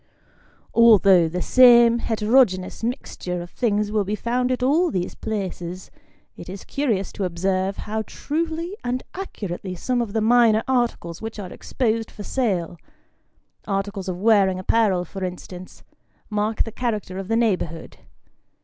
Although the same heterogeneous mixture of things will be found at all these places, it is curious to observe how truly and accurately some of the minor articles which are exposed for sale articles of wearing apparel, for instance mark the character of the neighbourhood.